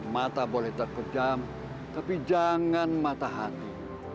mata boleh terpedam tapi jangan matahati